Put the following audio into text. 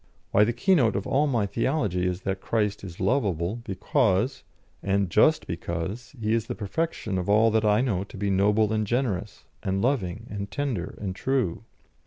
"Why, the keynote of all my theology is that Christ is lovable because, and just because, He is the perfection of all that I know to be noble and generous, and loving, and tender, and true.